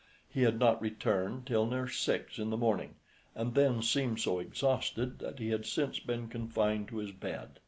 He had not returned till near six in the morning, and then seemed so exhausted that he had since been confined to his bed.